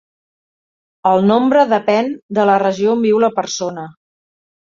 El nombre depèn de la regió on viu la persona.